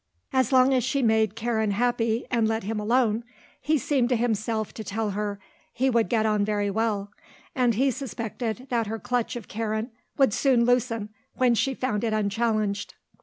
As long as she made Karen happy and let him alone, he seemed to himself to tell her, he would get on very well; and he suspected that her clutch of Karen would soon loosen when she found it unchallenged.